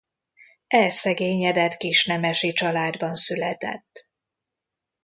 Elszegényedett kisnemesi családban született.